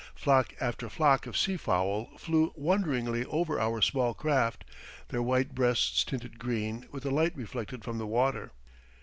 Flock after flock of sea fowl flew wonderingly over our small craft, their white breasts tinted green with the light reflected from the water.